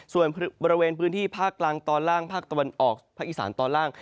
ส่วนบริเวณพื้นที่ภาคกลางตอนล่างภาคตะวันออกภาคอีสานตอนล่าง